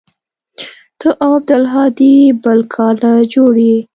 ته او عبدالهادي بل کار له جوړ يې.